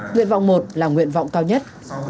nguyện vọng một là nguyện vọng cao nhất